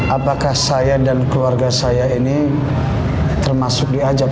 apakah saya dan keluarga saya ini termasuk diajak